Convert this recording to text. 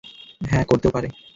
হ্যাঁ, করতেও পারে।